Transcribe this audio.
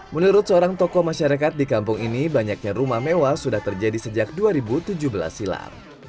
menurut seorang tokoh masyarakat di kampung ini banyaknya rumah mewah sudah terjadi sejak dua ribu tujuh belas silam